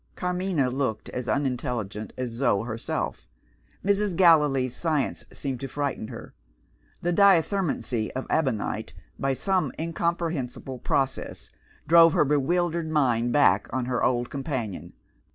Carmina looked as unintelligent as Zo herself. Mrs. Gallilee's science seemed to frighten her. The Diathermancy of Ebonite, by some incomprehensible process, drove her bewildered mind back on her old companion.